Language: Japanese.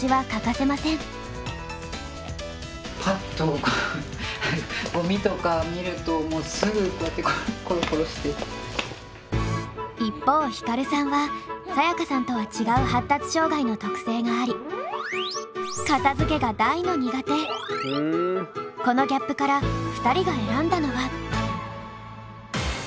パッと一方ヒカルさんはサヤカさんとは違う発達障害の特性がありこのギャップから２人が選んだのは。